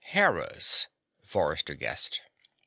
"Hera's," Forrester guessed.